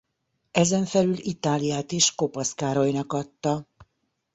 Ezen felül Itáliát is Kopasz Károlynak adta.